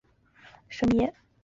舍米耶。